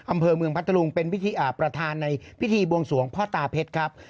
อำเภอเมืองพัทธรุงเป็นพิธีประธานในพิธีบวงสวงพ่อตาเพชรครับ